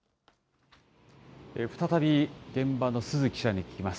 再び、現場の鈴記者に聞きます。